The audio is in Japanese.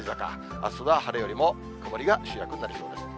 あすは晴れよりも曇りが主役になりそうです。